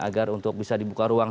agar untuk bisa dibuka ruang